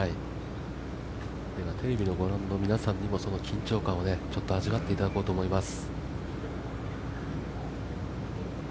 テレビをご覧の皆さんにも緊張感を味わっていただきたいと思います。